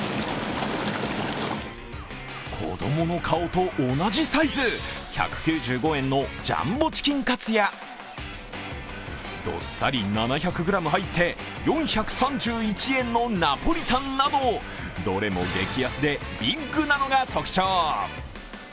子供の顔と同じサイズ、１９５円のジャンボチキンカツやどっさり７００ｇ入って４３１円のナポリタンなどどれも激安でビッグなのが特徴。